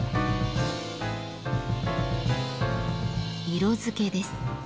色付けです。